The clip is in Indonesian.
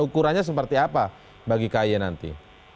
ukurannya seperti apa bagi kay nanti